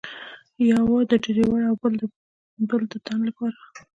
یوه د ډریور او یوه د بل تن له پاره.